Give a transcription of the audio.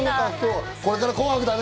これから『紅白』だね。